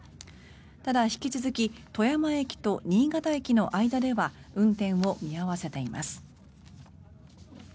ただ、引き続き富山駅と新潟駅の間では運転を見合わせています。